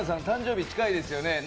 誕生日近いですよね